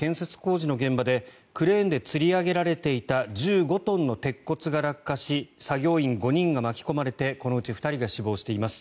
現場の現場でクレーンでつり上げられていた１５トンの鉄骨が落下し作業員５人が巻き込まれてこのうち２人が死亡しています。